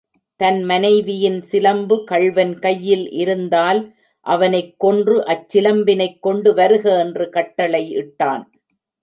தன் மனைவியின் சிலம்பு கள்வன் கையில் இருந்தால் அவனைக் கொன்று அச்சிலம்பினைக் கொண்டு வருக என்று கட்டளை இட்டான்.